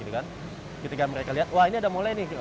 ketika mereka lihat wah ini ada mulai nih